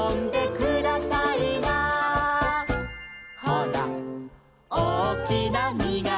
「ほらおおきなみがなった」